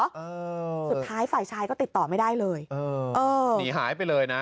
เออสุดท้ายฝ่ายชายก็ติดต่อไม่ได้เลยเออเออหนีหายไปเลยนะ